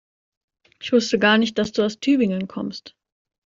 Ich wusste gar nicht, dass du aus Tübingen kommst